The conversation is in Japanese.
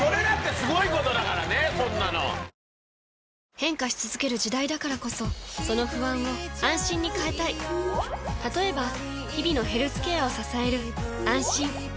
変化し続ける時代だからこそその不安を「あんしん」に変えたい例えば日々のヘルスケアを支える「あんしん」